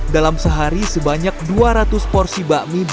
dalam sehari sebanyak dua ratus porsi bakmi